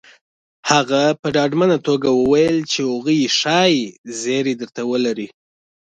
هغه په ډاډمنه توګه وويل چې هغوی ښايي زيری درته ولري